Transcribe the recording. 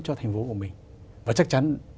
cho thành phố của mình và chắc chắn